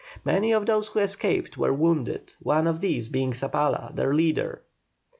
Many of those who escaped were wounded, one of these being Zabala, their leader.